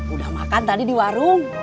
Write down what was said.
udah makan tadi di warung